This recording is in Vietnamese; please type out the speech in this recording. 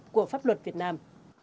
của pháp luật việt nam